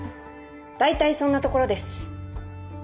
大体そんなところです。